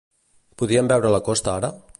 Podien veure la costa ara?